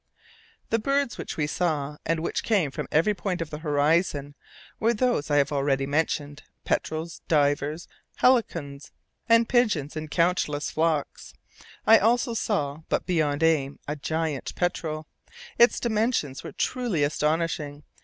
The birds which we saw, and which came from every point of the horizon, were those I have already mentioned, petrels, divers, halcyons, and pigeons in countless flocks. I also saw but beyond aim a giant petrel; its dimensions were truly astonishing.